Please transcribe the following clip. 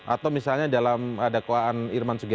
atau misalnya dalam dakwaan irman sugian